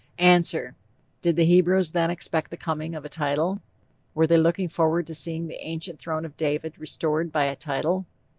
ANSWER: Did the Hebrews then expect the coming of a title? Were they looking forward to seeing the ancient throne of David restored by a _title?